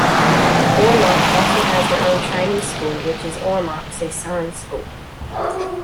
Ormoc also has their own Chinese school which is Ormoc Se San School.